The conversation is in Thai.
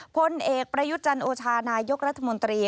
พลเอกประยุจรรย์โอชานายยกรัฐมนตรี